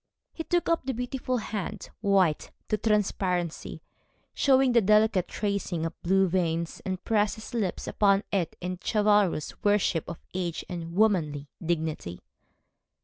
He took up the beautiful hand, white to transparency, showing the delicate tracing of blue veins, and pressed his lips upon it in chivalrous worship of age and womanly dignity.